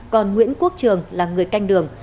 còn nguyễn quốc trường là người canh đường